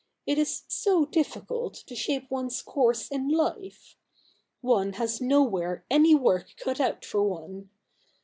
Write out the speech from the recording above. It is so difficult to shape one's course in life. One has nowhere any work cut out for one.